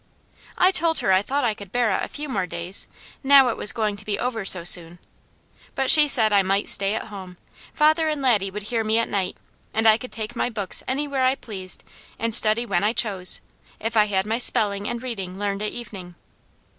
I told her I thought I could bear it a few more days, now it was going to be over so soon; but she said I might stay at home, father and Laddie would hear me at night, and I could take my books anywhere I pleased and study when I chose, if I had my spelling and reading learned at evening.